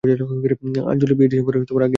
আঞ্জলির বিয়ে ডিসেম্বরের আগে হবে না।